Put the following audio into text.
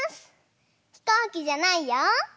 ひこうきじゃないよ。